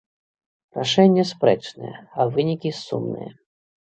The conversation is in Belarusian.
Рашэнне спрэчнае, а вынікі сумныя.